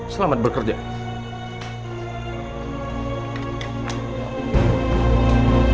saya tidak ada akibatnya sampai bertemu dia